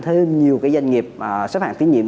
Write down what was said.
thêm nhiều doanh nghiệp xếp hàng tiến nhiệm